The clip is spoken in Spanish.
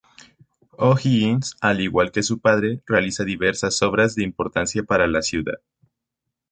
O'Higgins, al igual que su padre, realiza diversas obras de importancia para la ciudad.